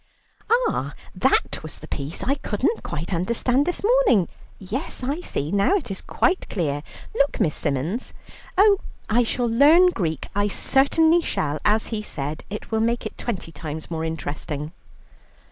"Ah that was the piece I couldn't quite understand this morning. Yes I see, now it is quite clear. Look, Miss Symons. Oh, I shall learn Greek, I certainly shall, as he said, it will make it twenty times more interesting."